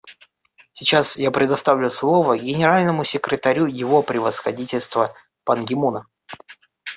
Сейчас я предоставляю слово Генеральному секретарю Его Превосходительству Пан Ги Муну.